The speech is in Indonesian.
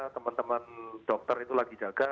teman teman dokter itu lagi jaga